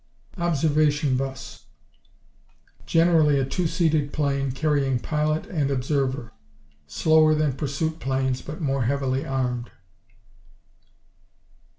Observation bus Generally a two seated plane, carrying pilot and observer. Slower than pursuit planes, but more heavily armed.